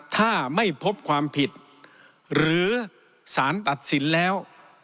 ถ้าไม่พบความผิดหรือสารตัดสินแล้ว